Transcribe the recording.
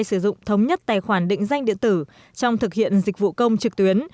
sử dụng thống nhất tài khoản định danh điện tử trong thực hiện dịch vụ công trực tuyến